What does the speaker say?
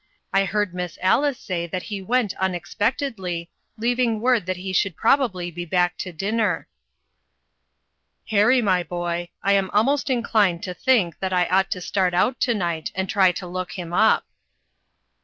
I heard Miss Alice say that he went unexpectedly, leaving word that he should probably be back to dinner." 392 INTERRUPTED. " Harry, my boy, I am almost inclined to think that I ought to start out to night, and try to look him up."